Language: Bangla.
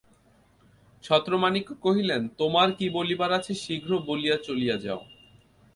ছত্রমাণিক্য কহিলেন, তোমার কী বলিবার আছে শীঘ্র বলিয়া চলিয়া যাও।